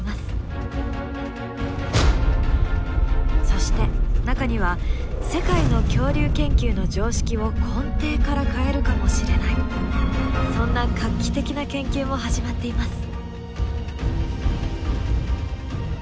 そして中には世界の恐竜研究の常識を根底から変えるかもしれないそんな画期的な研究も始まっています。